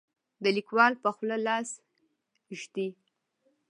د لیکوال په خوله لاس ږدي.